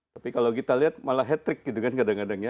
tapi kalau kita lihat malah hat trick gitu kan kadang kadang ya